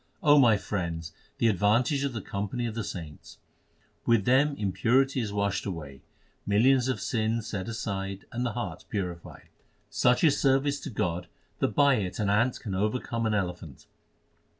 O my friends, hear the advantage of the company of the saints With them impurity is washed away, millions of sins set aside, and the heart purified. Such is service to God that by it an ant can overcome an elephant.